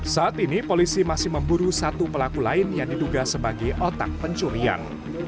saat ini polisi masih memburu satu pelaku lain yang diduga sebagai otak pencurian